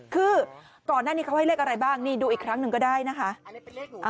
คือก่อนหน้านี้เขาให้เลขอะไรบ้างนี่ดูอีกครั้งหนึ่งก็ได้นะคะ